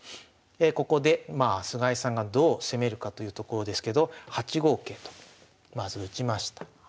ここで菅井さんがどう攻めるかというところですけど８五桂とまず打ちました。